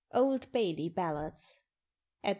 OLD BAILEY BALLADS. (At No.